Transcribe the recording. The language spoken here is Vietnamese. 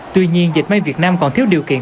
tuy nhiên dịch may việt nam còn thiếu điều kiện